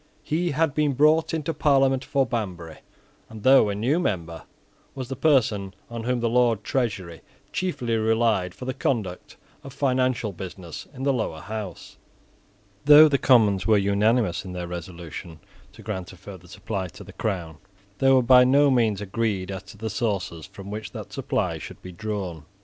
He had been brought into Parliament for Banbury, and though a new member, was the person on whom the Lord Treasurer chiefly relied for the conduct of financial business in the Lower House. Though the Commons were unanimous in their resolution to grant a further supply to the crown, they were by no means agreed as to the sources from which that supply should be drawn.